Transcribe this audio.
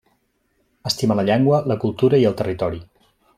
Estima la llengua, la cultura i el territori.